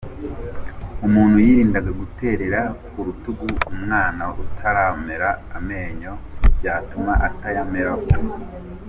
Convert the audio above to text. Umuntu yirinda guterera ku rutugu umwana utaramera amenyo, byatuma atayamera vuba.